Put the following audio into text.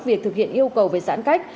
việc thực hiện yêu cầu về giãn cách